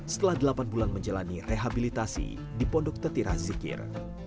setelah delapan bulan menjalani rehabilitasi di pondok tetira zikir